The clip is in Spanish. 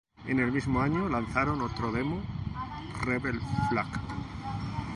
En el mismo año lanzaron otro demo "Rebel Flag".